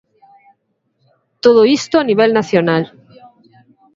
Todo isto a nivel nacional.